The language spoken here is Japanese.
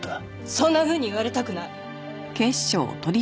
そんなふうに言われたくない！